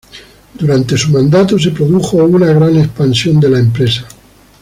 Durante su mandato se produjo una gran expansión de la empresa.